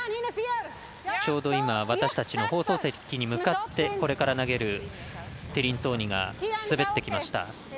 ちょうど私たちの放送席に向かってこれから投げるティリンツォーニが滑ってきました。